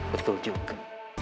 wah betul juga